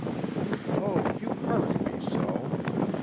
"Oh, you hurry me so!